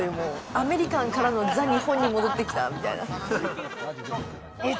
アメリカンからの、ＴＨＥ日本に戻ってきたっていう。